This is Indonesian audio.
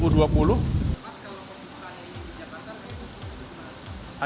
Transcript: mas kalau pembukaan ini di jakarta apa penutupan